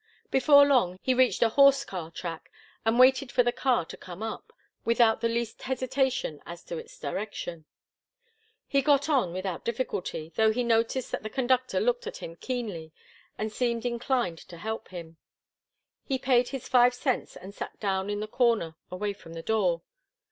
Before long he reached a horse car track and waited for the car to come up, without the least hesitation as to its direction. He got on without difficulty, though he noticed that the conductor looked at him keenly and seemed inclined to help him. He paid his five cents and sat down in the corner away from the door.